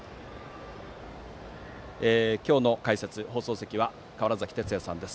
今日の放送席の解説は川原崎哲也さんです。